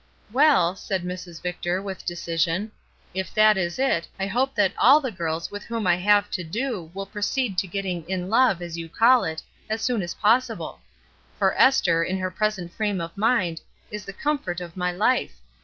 ''Well," said Mrs. Victor, with decision, ''if that is it, I hope that all the girls with whom I have to do will proceed to getting 'in love,' as you call it, as soon as possible; for Esther, LOVE 249 in her present frame of mind, is the comfort of my life.